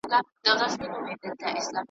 پر لمن د ګل غونډۍ یم رغړېدلی .